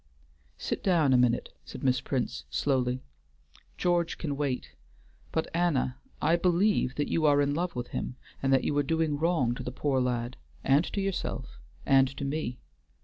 "Sit down a minute," said Miss Prince, slowly. "George can wait. But, Anna, I believe that you are in love with him, and that you are doing wrong to the poor lad, and to yourself, and to me.